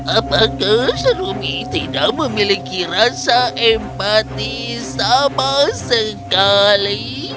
apakah seluruh kita tidak memiliki rasa empati sama sekali